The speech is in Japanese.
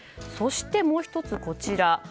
そしてもう１つ、こちら。